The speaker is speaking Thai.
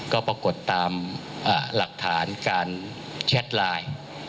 ก็ปรากฏตามหลักฐานการแชทไลน์